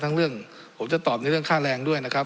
เรื่องผมจะตอบในเรื่องค่าแรงด้วยนะครับ